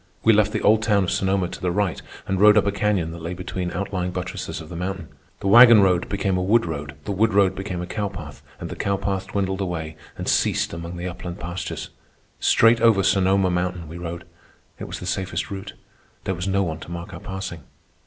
We left the old town of Sonoma to the right and rode up a canyon that lay between outlying buttresses of the mountain. The wagon road became a wood road, the wood road became a cow path, and the cow path dwindled away and ceased among the upland pastures. Straight over Sonoma Mountain we rode. It was the safest route. There was no one to mark our passing.